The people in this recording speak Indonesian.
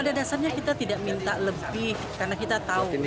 pada dasarnya kita tidak minta lebih karena kita tahu